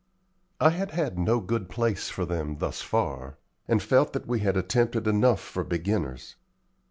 I had had no good place for them thus far, and felt that we had attempted enough for beginners.